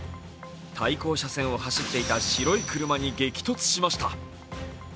対向車線を走っていた白い車に激突しました。